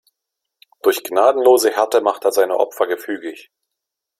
Durch gnadenlose Härte macht er seine Opfer gefügig.